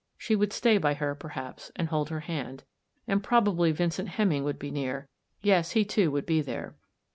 She would stay by her, perhaps, and hold her hand. And probably Vincent Hemming would be near. Yes, he, too, would be there.